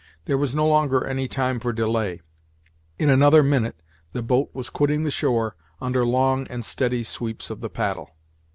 There was no longer any time for delay; in another minute the boat was quitting the shore under long and steady sweeps of the paddle.